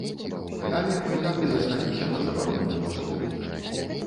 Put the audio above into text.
Але мы так і засталіся на забароненым узроўні.